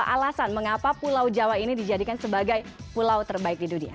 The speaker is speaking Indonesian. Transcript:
alasan mengapa pulau jawa ini dijadikan sebagai pulau terbaik di dunia